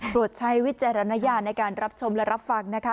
ใช้วิจารณญาณในการรับชมและรับฟังนะคะ